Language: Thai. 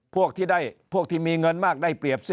พวกที่ได้พวกที่มีเงินมากได้เปรียบสิ